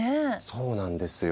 そうなんですよ。